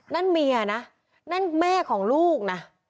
นั่นเมียนะนั่นแม่ของลูกนะ